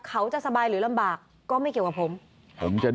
เขาจะสบายหรือลำบากก็ไม่เกี่ยวกับผมผมจะ